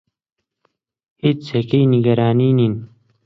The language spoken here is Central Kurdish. هیچ جێگەی نیگەرانی نین.